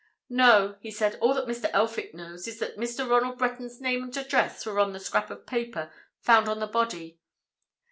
"No," he said. "All that Mr. Elphick knows is that Mr. Ronald Breton's name and address were on the scrap of paper found on the body.